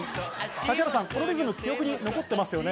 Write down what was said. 指原さん、このリズム、記憶に残っていますよね？